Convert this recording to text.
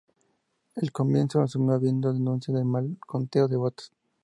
Al comienzo, asumió habiendo denuncia de mal conteo de votos.